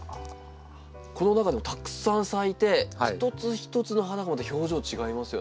この何かでもたくさん咲いて一つ一つの花がまた表情違いますよね。